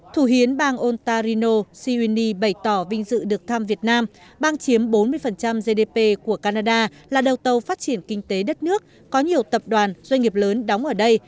thủ hiến bang ontarino siuni bày tỏ vinh dự được thăm việt nam bang chiếm bốn mươi gdp của canada là đầu tàu phát triển kinh tế đất nước có nhiều tập đoàn doanh nghiệp lớn đóng ở đây